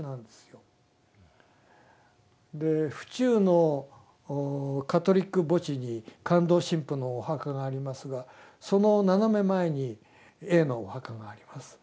で府中のカトリック墓地にカンドウ神父のお墓がありますがその斜め前にＡのお墓があります。